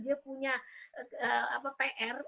dia punya pr